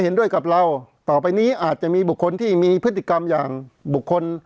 เห็นด้วยกับเราต่อไปนี้อาจจะมีบุคคลที่มีพฤติกรรมอย่างบุคคล